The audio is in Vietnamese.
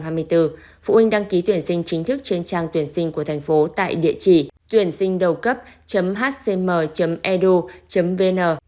phụ huynh đăng ký tuyển sinh chính thức trên trang tuyển sinh của thành phố tại địa chỉ tuyểnsinhđầucấp hcm edu vn